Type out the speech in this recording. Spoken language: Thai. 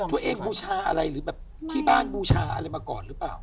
บูชาอะไรหรือแบบที่บ้านบูชาอะไรมาก่อนหรือเปล่า